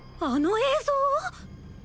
あの映像を！？